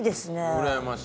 うらやましい。